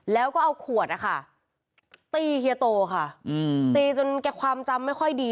แล้วก็เอาขวดนะคะตีเฮียโตค่ะตีจนแกความจำไม่ค่อยดี